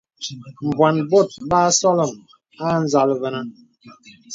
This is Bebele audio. Mbwàn bòt basɔlɔ̀m a nzàl vənə.